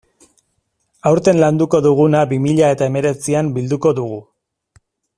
Aurten landuko duguna bi mila eta hemeretzian bilduko dugu.